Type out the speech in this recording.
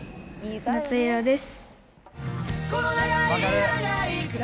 夏色です。